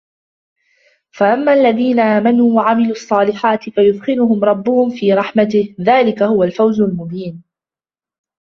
فَأَمَّا الَّذِينَ آمَنُوا وَعَمِلُوا الصَّالِحَاتِ فَيُدْخِلُهُمْ رَبُّهُمْ فِي رَحْمَتِهِ ذَلِكَ هُوَ الْفَوْزُ الْمُبِينُ